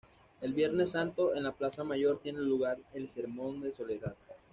El Viernes Santo, en la Plaza Mayor, tiene lugar el Sermón de Soledad.